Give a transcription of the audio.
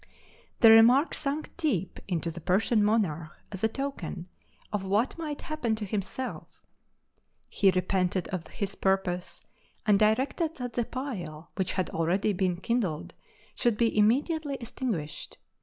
The remark sunk deep into the Persian monarch as a token of what might happen to himself: he repented of his purpose, and directed that the pile, which had already been kindled, should be immediately extinguished.